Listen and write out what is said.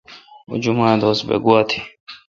اوں جمعہ دوس بہ گوا تھی۔